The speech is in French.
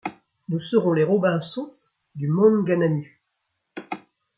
Nous serons les Robinsons du Maunganamu !